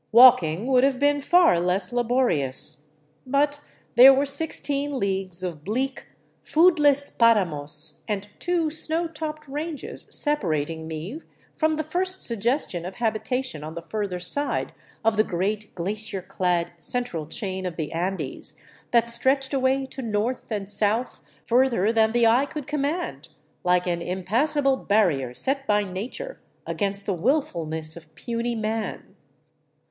Walking would have been far less la borious. But there were sixteen leagues of bleak, foodless paramos and two snow topped ranges separating me from the first suggestion of habitation on the further side of the great glacier clad central chain of the Andes, that stretched away to north and south further than the eye could command, like an impassable barrier set by nature against the wilfulness of puny man.